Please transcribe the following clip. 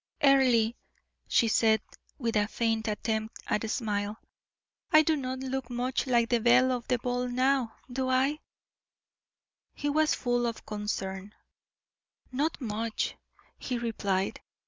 "Earle," she said, with a faint attempt at a smile, "I do not look much like the belle of the ball now, do I?" He was full of concern. "Not much," he replied.